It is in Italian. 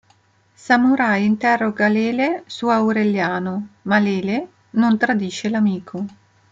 Samurai interroga Lele su Aureliano, ma Lele non tradisce l'amico.